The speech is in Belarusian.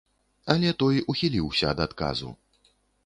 Але той ухіліўся ад адказу.